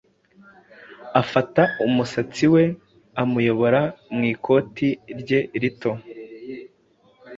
afata umusatsi we, amuyobora mu ikoti rye rito,